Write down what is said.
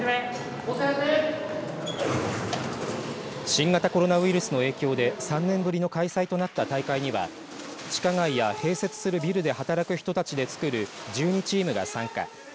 新型コロナウイルスの影響で３年ぶりの開催となった大会には地下街や併設するビルで働く人たちでつくる１２チームが参加。